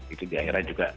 itu daerah juga